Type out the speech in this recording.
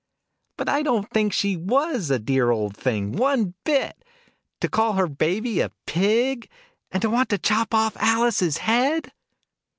47 "But I don't think she was a dear old thing, one bit ! To call her Baby a Pig, and to want to chop off Alice's head